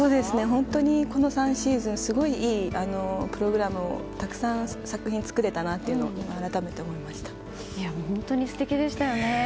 本当にこの３シーズンすごいいいプログラムをたくさん作品作れたなというのを本当に素敵でしたよね。